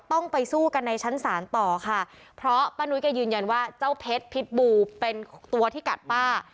ต้องไปสู้กันในชั้นศาลต่อค่ะเพราะป้านุ้ยแกยืนยันว่าเจ้าเพชรพิษบูเป็นตัวที่กัดป้า